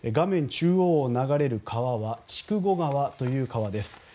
中央を流れる川は筑後川という川です。